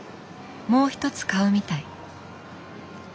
もう一つ買うみたい。